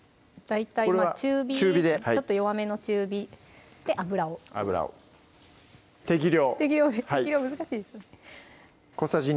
大体中火ちょっと弱めの中火で油を適量適量難しいですね